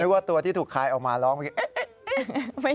ไม่ว่าตัวที่ถูกคลายออกมาร้องไม่คิด